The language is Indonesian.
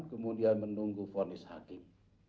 kemudian menunggu fornis hakim